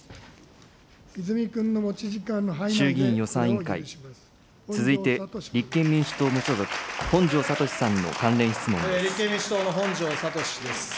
衆議院予算委員会、続いて、立憲民主党・無所属、本庄知史です。